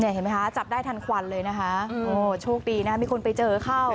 เห็นไหมคะจับได้ทันควันเลยนะคะโอ้โชคดีนะมีคนไปเจอเข้า